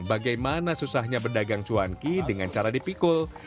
bagaimana susahnya pedagang cuanki dengan cara dipikul